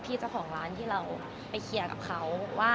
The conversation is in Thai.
เจ้าของร้านที่เราไปเคลียร์กับเขาว่า